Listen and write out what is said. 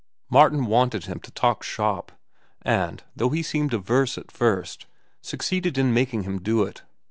Martin wanted him to talk shop, and, though he seemed averse at first, succeeded in making him do it.